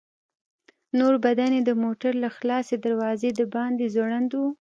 نور بدن يې د موټر له خلاصې دروازې د باندې ځوړند و.